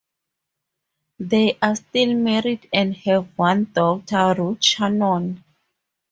They are still married and have one daughter, Ruth Shannon.